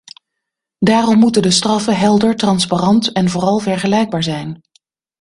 Daarom moeten de straffen helder, transparant en vooral vergelijkbaar zijn.